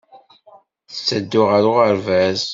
Tetteddu ɣer uɣerbaz.